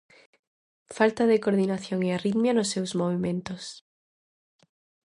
Falta de coordinación e arritmia nos seus movementos.